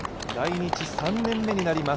来日３年目になります